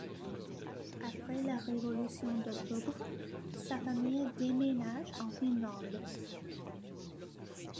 Après la Révolution d'Octobre, sa famille déménage en Finlande.